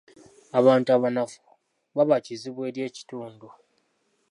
Abantu abanafu baba kizibu eri ekitundu.